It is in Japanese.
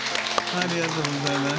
ありがとうございます。